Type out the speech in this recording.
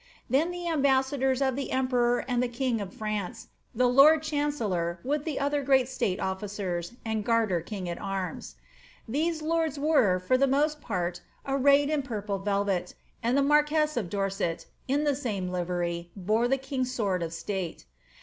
Then the arobassadon of tiie emperor and the king of France, the lord chancellor, with the other great state oflicers, and Garter king at arms. These lords were, for the most part, arrayed in purple velvet, and the marquess of Dorset, in the same Uvery, bore the king's sword of state.